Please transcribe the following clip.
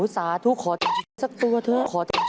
สาโท้ขอตะสักตัวเถอะ